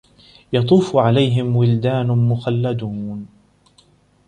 يَطوفُ عَلَيهِم وِلدانٌ مُخَلَّدونَ